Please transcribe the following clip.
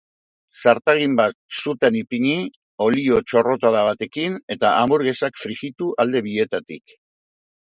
Zartagi bat sutan ipini olio txorrotada batekin eta amburgesak frijitu alde bietatik.